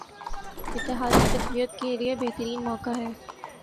اتحاد کی تقویت کیلئے بہترین موقع ہے